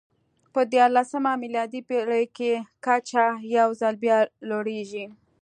په دیارلسمه میلادي پېړۍ کې کچه یو ځل بیا لوړېږي.